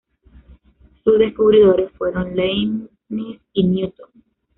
Sus descubridores fueron Leibniz y Newton.